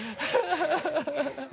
ハハハ